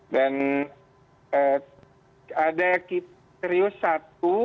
dan ada kipi serius satu